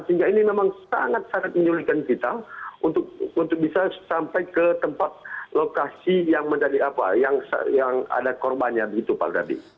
sehingga ini memang sangat sangat menyulitkan kita untuk bisa sampai ke tempat lokasi yang ada korbannya begitu pak gadi